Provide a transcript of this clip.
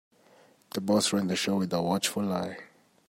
The boss ran the show with a watchful eye.